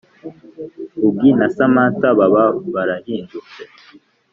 augi na samantha baba barahingutse